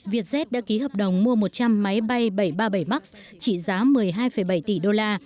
vietjet đã ký hợp đồng mua một trăm linh máy bay bảy trăm ba mươi bảy max trị giá một mươi hai bảy tỷ đô la